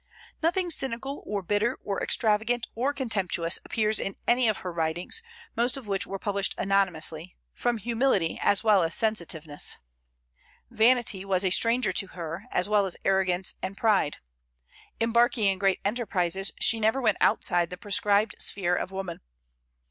Nothing cynical, or bitter, or extravagant, or contemptuous appears in any of her writings, most of which were published anonymously, from humility as well as sensitiveness. Vanity was a stranger to her, as well as arrogance and pride. Embarking in great enterprises, she never went outside the prescribed sphere of woman.